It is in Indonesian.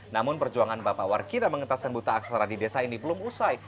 namun perjuangan bapak warki dalam menghentaskan buta aksara di desa ini belum usai